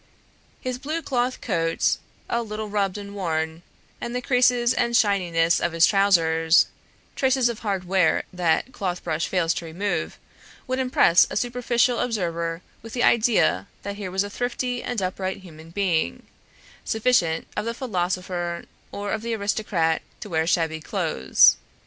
His blue cloth coat, a little rubbed and worn, and the creases and shininess of his trousers, traces of hard wear that the clothes brush fails to remove, would impress a superficial observer with the idea that here was a thrifty and upright human being, sufficient of the philosopher or of the aristocrat to wear shabby clothes.